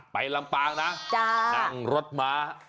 ลำปางนะนั่งรถม้า